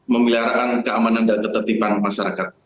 memeliharakan keamanan dan ketertiban masyarakat